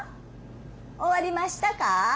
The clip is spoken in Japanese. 終わりましたか？